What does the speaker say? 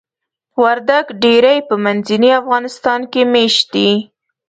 وردګ ډیری په منځني افغانستان کې میشت دي.